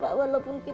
saya udah bingung pak